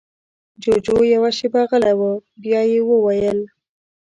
جُوجُو يوه شېبه غلی و، بيا يې وويل: